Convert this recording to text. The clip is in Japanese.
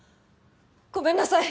ごめんなさい